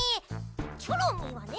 チョロミーはね